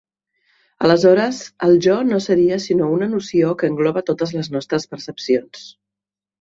Aleshores, el jo no seria sinó una noció que engloba totes les nostres percepcions.